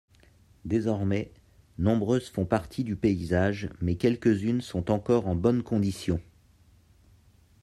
Désormais, nombreuses font partie du paysage mais quelques-unes sont encore en bonne condition.